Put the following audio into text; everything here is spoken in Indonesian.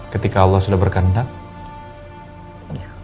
ketika allah sudah berkendang